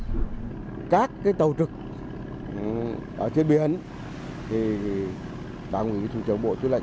trong các tàu trực trên biển bà nguyễn thủy chống bộ chứa lệnh